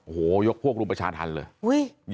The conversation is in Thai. หยุกพวกรุมประชาธารเลย